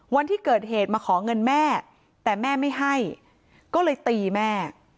วันที่เกิดเหตุมาขอเงินแม่แต่แม่ไม่ให้ก็เลยตีแม่